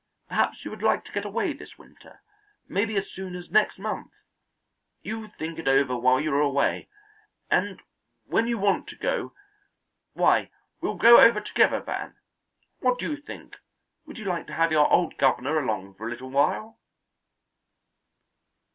Perhaps you would like to get away this winter, maybe as soon as next month. You think it over while you are away, and when you want to go, why, we'll go over together, Van. What do you think? Would you like to have your old governor along for a little while?"